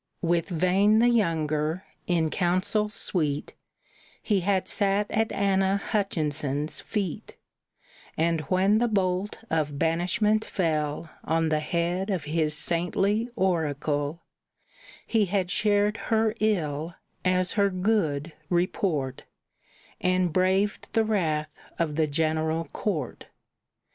With Vane the younger, in council sweet, He had sat at Anna Hutchinson's feet, And, when the bolt of banishment fell On the head of his saintly oracle, He had shared her ill as her good report, And braved the wrath of the General Court.